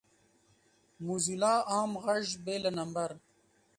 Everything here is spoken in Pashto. موزیلا عام غږ بې له نمبر